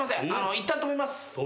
いったん止めます。